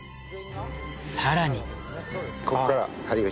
更に。